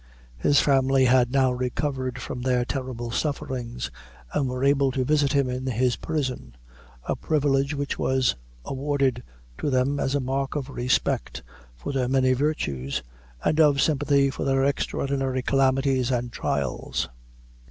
His family had now recovered from their terrible sufferings, and were able to visit him in his prison a privilege which was awarded to them as a mark of respect for their many virtues, and of sympathy for their extraordinary calamities and trials.